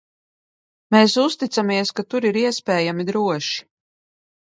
Mēs uzticamies, ka tur ir iespējami droši.